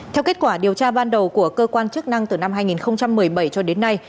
theo kết quả điều tra ban đầu của cơ quan chức năng từ năm hai nghìn một mươi bảy cho đến nay